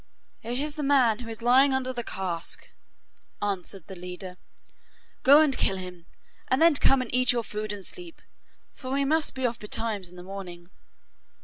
'It is the man who is lying under the cask,' answered the leader. 'Go and kill him, and then come and eat your food and sleep, for we must be off betimes in the morning.